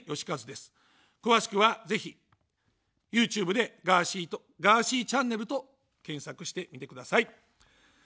詳しくは、ぜひＹｏｕＴｕｂｅでガーシーと、ガーシーｃｈと検索してみてください。